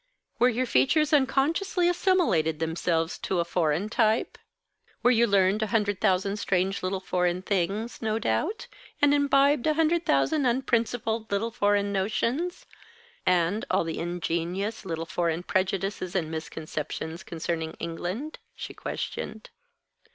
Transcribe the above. "Where your features unconsciously assimilated themselves to a foreign type? Where you learned a hundred thousand strange little foreign things, no doubt? And imbibed a hundred thousand unprincipled little foreign notions? And all the ingenuous little foreign prejudices and misconceptions concerning England?" she questioned.